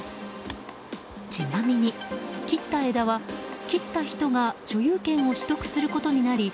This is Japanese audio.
ちなみに切った枝は切った人が所有権を取得することになり